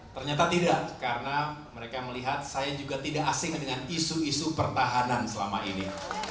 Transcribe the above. ternyata tidak karena mereka melihat saya juga tidak asing dengan isu isu pertahanan selama ini